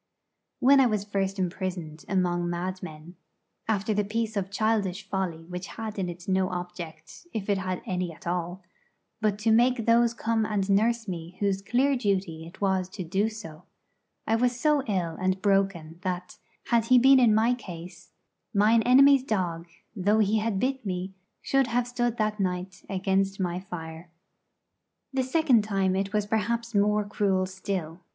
When I was first imprisoned among madmen, after the piece of childish folly which had in it no object, if it had any at all, but to make those come and nurse me whose clear duty it was to do so, I was so ill and broken that, had he been in my case, Mine enemy's dog, Though he had bit me, should have stood that night Against my fire. The second time it was perhaps more cruel still.